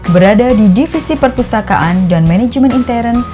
berada di divisi perpustakaan dan manajemen intern